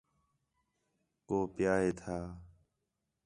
کُو پِیا ہے تھا